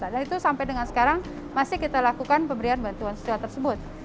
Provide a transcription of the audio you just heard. dan itu sampai dengan sekarang masih kita lakukan pemberian bantuan sosial tersebut